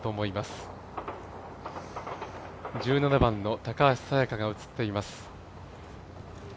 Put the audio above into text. １７番の高橋彩華が映っています。